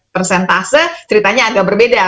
persentase ceritanya agak berbeda